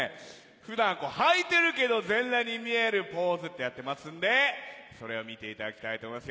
普段こうはいてるけど全裸に見えるポーズってやってますんでそれを見ていただきたいと思います。